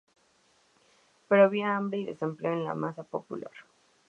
Pero había hambre y desempleo en la masa popular.